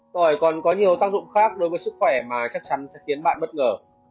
tỏi còn có nhiều tác dụng khác đối với sức khỏe mà chắc chắn sẽ tiến bạn bất ngờ